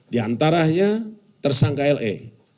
diantaranya tersangka le